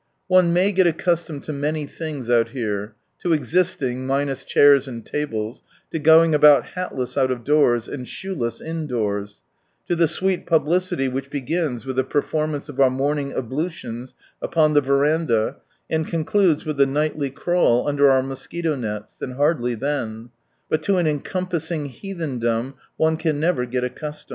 One may get accustomed to many things out here; to xisting, minus chairs and tables ; to going about hatless out of doors, and shoeless indoors; to the sweet publicity which begins with the performance of our morning ablutions upon the verandah, and concludes with the nightly crawl under our mos quito nets, and hardly then^but to an encompassing heathendom one can never ^t accustomed.